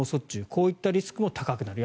こういったリスクも高くなる。